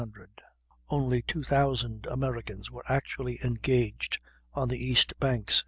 Only 2,000 Americans were actually engaged on the east banks.